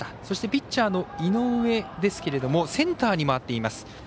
そして、ピッチャーの井上ですがセンターに回っています。